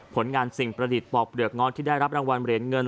ผลงานสิ่งประดิษฐ์ปอกเปลือกง้อที่ได้รับรางวัลเหรียญเงิน